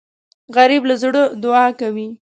غریب له زړه دعا کوي